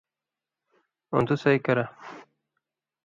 اُوندُو سَئی کرہ